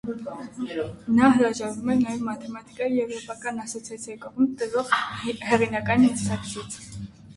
Նա հրաժարվել է նաև մաթեմաիկայի եվրոպական ասոցիացիայի կողմից տրվող հեղինակավոր մրցանակից։